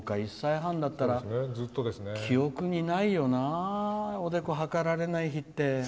１歳半だったら、記憶にないよなおでこ、はかられない日って。